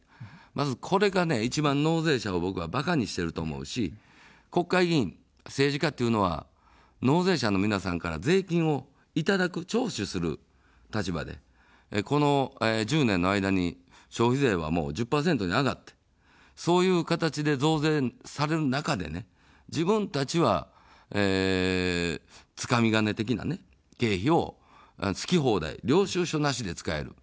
まずこれが一番、納税者を僕はバカにしてると思うし、国会議員、政治家というのは納税者の皆さんから税金をいただく、徴収する立場で、この１０年の間に消費税は１０％に上がって、そういう形で増税される中で、自分たちは、つかみ金的な経費を好き放題、領収書なしで使える。